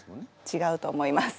ちがうと思います。